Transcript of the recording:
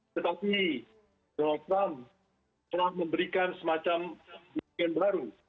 tetapi donald trump telah memberikan semacam kebijakan baru